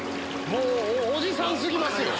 おじさん過ぎますよ